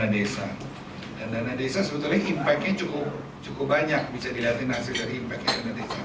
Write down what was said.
dan dana desa sebetulnya impact nya cukup banyak bisa dilihatin hasil dari impact nya dana desa